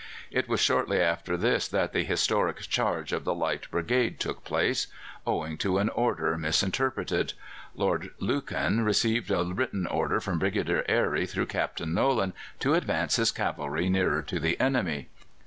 It was shortly after this that the historic charge of the Light Brigade took place, owing to an order misinterpreted. Lord Lucan received a written order from Brigadier Airey through Captain Nolan to advance his cavalry nearer to the enemy.